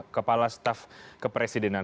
kepala staff kepresidenan